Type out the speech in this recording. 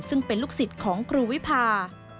ซึ่งเป็นลูกศิษย์ของครูวิพา